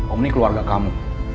om ini keluarga kamu